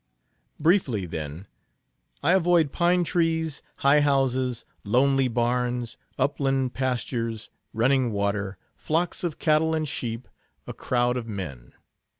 "Briefly, then. I avoid pine trees, high houses, lonely barns, upland pastures, running water, flocks of cattle and sheep, a crowd of men.